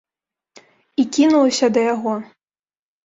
І кінулася да яго.